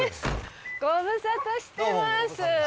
ご無沙汰してます